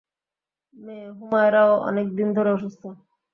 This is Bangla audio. মেয়ে হোমায়রাও অনেক দিন ধরে অসুস্থ।